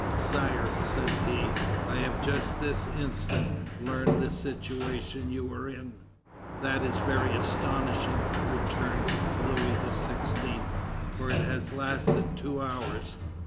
"Sire," says he, "I have just this instant learned the situation you were in." "That is very astonishing," returns Louis XVI.; "for it has lasted two hours."